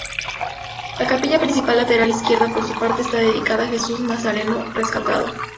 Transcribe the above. La capilla principal lateral izquierda por su parte está dedicada a Jesús Nazareno Rescatado.